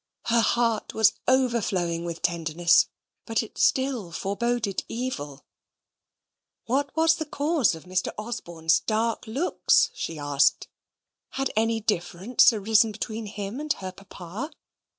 Her heart was overflowing with tenderness, but it still foreboded evil. What was the cause of Mr. Osborne's dark looks? she asked. Had any difference arisen between him and her papa?